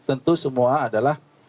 tentu semua adalah